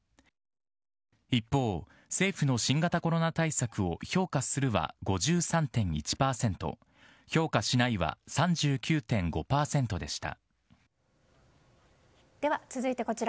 一方、政府の新型コロナ対策を評価するは５３．１％評価しないは３９．５％でした。